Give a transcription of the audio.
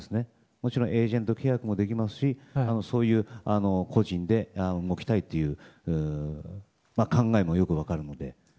もちろんエージェント契約もできますし個人で動きたいという考えもよく分かるので。